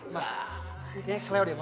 ma ini kayaknya selai udah ya ma